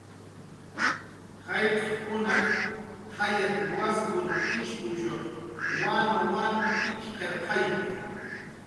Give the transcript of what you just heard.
"Jallq'kunaq jayat"" waskun ishpushuq wanwanw jitxqirqayki"